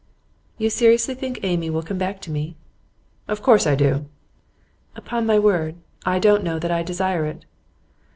'You seriously think Amy will come back to me?' 'Of course I do.' 'Upon my word, I don't know that I desire it.